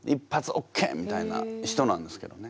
オッケーみたいな人なんですけどね